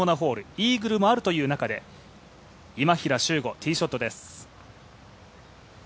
イーグルもあるという中で今平周吾、ティーショットです。